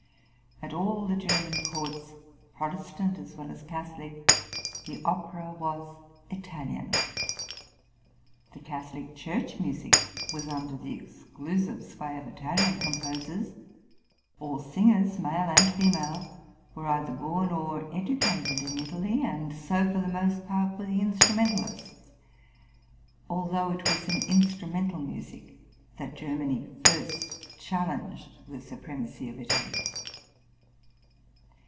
At all the German courts, Protestant as well as Catholic, the opera was Italian; the Catholic church music was under the exclusive sway of Italian composers; all singers, male and female, were either born or educated in Italy, and so, for the most part, were the instrumentalists, although it was in instrumental music that Germany first challenged the supremacy of Italy.